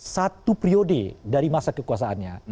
satu priode dari masa kekuasaannya